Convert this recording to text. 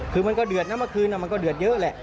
คือมันก็เดือดนะเมื่อคืนมันก็เดือดเยอะแหละ